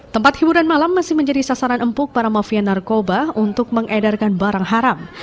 tempat hiburan malam masih menjadi sasaran empuk para mafia narkoba untuk mengedarkan barang haram